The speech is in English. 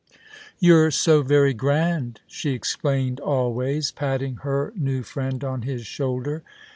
" You're so very grand," she explained always, patting her new friend on his shoulder.